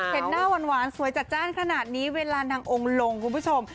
เห็นหน้าหวานสวยจัดจ้านขนาดนี้เวลานางองค์ลงคุณผู้ชม